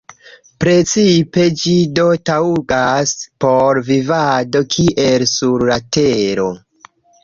Principe ĝi do taŭgas por vivado, kiel sur la Tero.